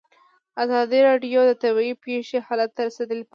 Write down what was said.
ازادي راډیو د طبیعي پېښې حالت ته رسېدلي پام کړی.